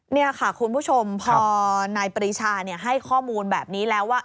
นี่ค่ะคุณผู้ชมพอนายปรีชาให้ข้อมูลแบบนี้แล้วว่า